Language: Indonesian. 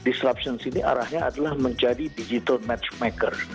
jadi sekarang ini semua disruption sini arahnya adalah menjadi digital matchmaker